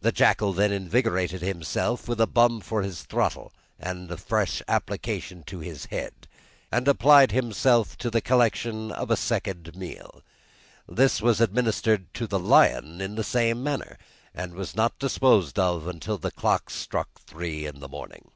The jackal then invigorated himself with a bumper for his throttle, and a fresh application to his head, and applied himself to the collection of a second meal; this was administered to the lion in the same manner, and was not disposed of until the clocks struck three in the morning.